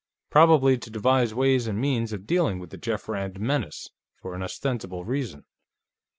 Probably to devise ways and means of dealing with the Jeff Rand menace, for an ostensible reason.